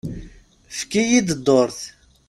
Efk-iyi-d dduṛt.